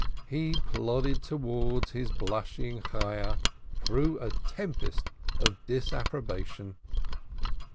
He plodded towards his blushing Chayah through a tempest of disapprobation.